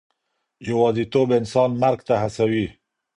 يوازيتوب انسان مرګ ته هڅوي.